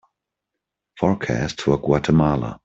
forecast for Guatemala